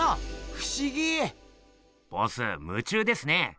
ふしぎ！ボス夢中ですね。